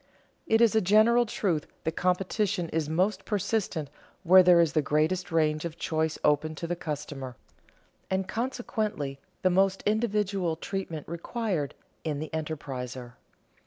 _ It is a general truth that competition is most persistent where there is the greatest range of choice open to the customer, and consequently the most individual treatment required in the enterpriser.